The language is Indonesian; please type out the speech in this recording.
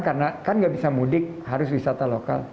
karena kan nggak bisa mudik harus wisata lokal